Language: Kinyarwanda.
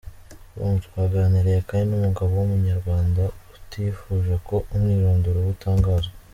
com twaganiriye kandi n’umugabo w’umunyarwanda utifuje ko umwirondoro we utangazwa.